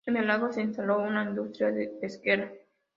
En el lago se instaló una industria pesquera.